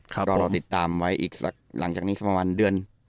ก็ติดตามไว้อีกหลังจากนี้สำหรับเดือน